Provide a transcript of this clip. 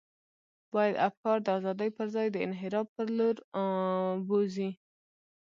باید افکار د ازادۍ پر ځای د انحراف پر لور بوزي.